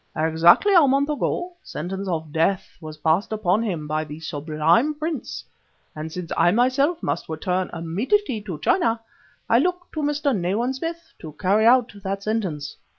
Exactly a month ago, sentence of death was passed upon him by the Sublime Prince, and since I myself must return immediately to China, I look to Mr. Nayland Smith to carry out that sentence."